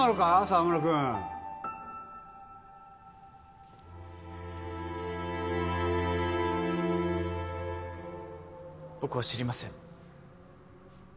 沢村君僕は知りません